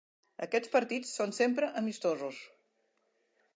Aquests partits són sempre amistosos.